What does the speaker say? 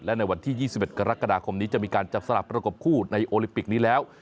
และในวันที่๒๑กรกฎาคมนี้จะมีการจับสลับประกบคู่ในโอลิมปิกนี้แล้ว